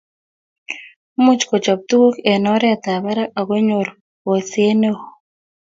muuch kochop tuguk eng oretab barak ago nyoor borset neo